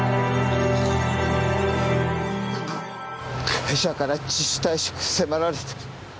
会社から自主退職迫られてる。